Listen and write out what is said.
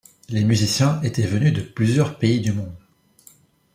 Les musiciens étaient venus de plusieurs pays du monde.